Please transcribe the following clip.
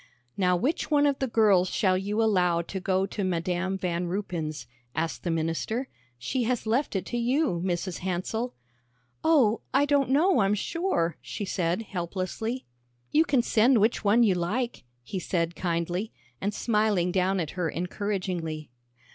"Now which one of the girls shall you allow to go to Madam Van Ruypen's?" asked the minister. "She has left it to you, Mrs. Hansell." "Oh, I don't know, I'm sure," she said helplessly. "You can send which one you like," he said kindly, and smiling down at her encouragingly.